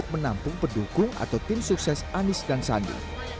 menantung pendukung atau tim sukses anies dan sandi